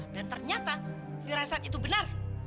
dan ternyata virasat itu benar